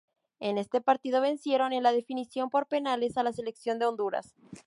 En ese partido vencieron en la definición por penales a la selección de Honduras.